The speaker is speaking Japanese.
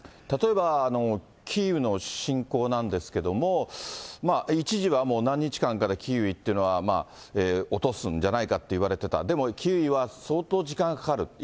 例えばキーウの侵攻なんですけども、一時はもう、何日間かでキーウっていうのは、落とすんじゃないかっていわれてた、でも、キーウは相当時間がかかる。